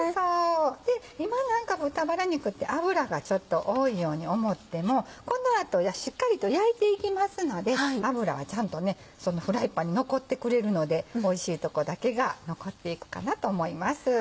今豚バラ肉って脂が多いように思ってもこの後しっかりと焼いていきますので脂はちゃんとフライパンに残ってくれるのでおいしいとこだけが残っていくかなと思います。